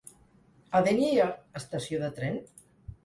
A Dénia hi ha estació de tren?